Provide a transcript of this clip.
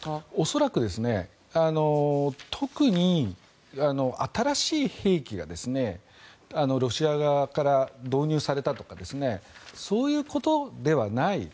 恐らく、特に新しい兵器がロシア側から導入されたとかそういうことではない。